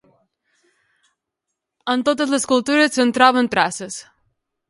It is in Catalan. En totes les cultures se'n troben traces.